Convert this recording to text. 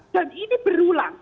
dan ini berulang